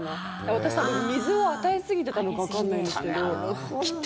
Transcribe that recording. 私、水を与えすぎてたのかわからないんですけど。